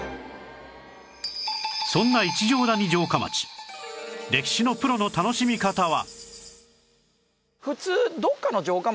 そんな一乗谷城下町歴史のプロの楽しみ方は